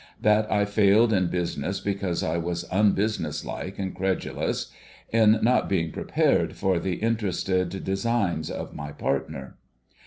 That I failed in business because I was un business like and credulous — in not being prepared for the inte rested designs of my partner.